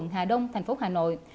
hà đông thành phố hà nội